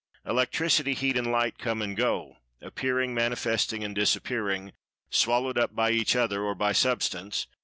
Electricity, Heat and Light come and go, appearing, manifesting and disappearing, swallowed up by each other, or by Substance.